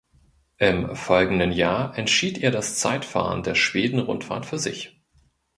Im folgenden Jahr entschied er das Zeitfahren der Schweden-Rundfahrt für sich.